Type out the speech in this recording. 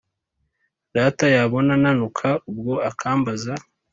data yabona nanuka ubwo akambaza